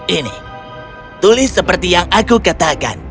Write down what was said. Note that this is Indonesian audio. ini tulis seperti yang aku katakan